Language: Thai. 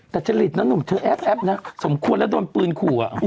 แต่จริตนะหนุ่มเธอแอปนะสมควรแล้วโดนปืนขู่